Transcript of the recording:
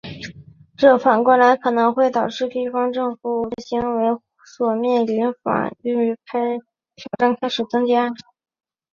这反过来可能会导致地方政府武断行为所面临的法律挑战开始增加。